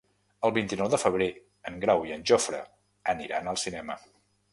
El vint-i-nou de febrer en Grau i en Jofre aniran al cinema.